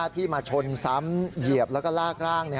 ที่มาชนซ้ำเหยียบแล้วก็ลากร่าง